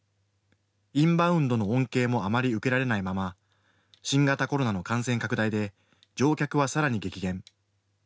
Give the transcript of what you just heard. インバウンドの恩恵もあまり受けられないまま新型コロナの感染拡大で乗客は、さらに激減。